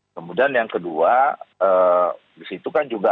kemudian yang kedua disitu kan juga